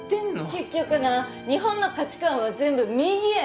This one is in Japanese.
結局な日本の価値観は全部右へならえやねん